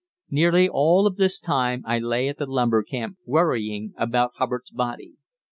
Nearly all of this time I lay at the lumber camp worrying about Hubbard's body.